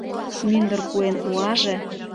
Мӱндыр куэн уаже